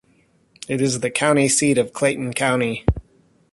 It is the county seat of Clayton County.